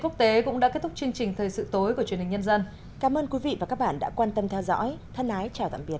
cảm ơn quý vị và các bạn đã quan tâm theo dõi thân ái chào tạm biệt